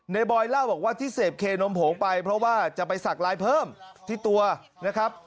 บอยเล่าบอกว่าที่เสพเคนมผงไปเพราะว่าจะไปสักลายเพิ่มที่ตัวนะครับ